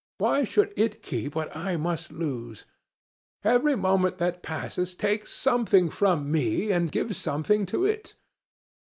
Why should it keep what I must lose? Every moment that passes takes something from me and gives something to it.